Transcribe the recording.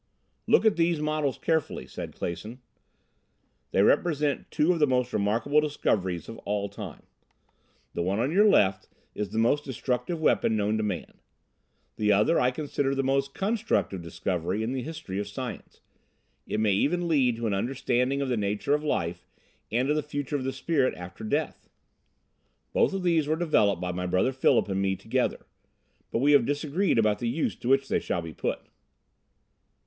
"Look at these models carefully," said Clason. "They represent two of the most remarkable discoveries of all time. The one on your left is the most _de_structive weapon known to man. The other I consider the most _con_structive discovery in the history of science. It may even lead to an understanding of the nature of life, and of the future of the spirit after death. "Both of these were developed by my brother Philip and me together but we have disagreed about the use to which they shall be put.